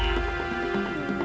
aku akan menghina kau